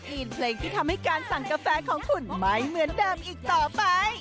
อินเพลงที่ทำให้การสั่งกาแฟของคุณไม่เหมือนเดิมอีกต่อไป